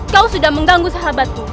kau sudah mengganggu sahabatku